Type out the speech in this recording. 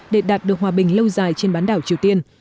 để đạt được hòa bình lâu dài trên bán đảo triều tiên